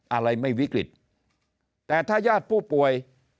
อะไรไม่วิกฤตแต่ถ้าญาติผู้ป่วย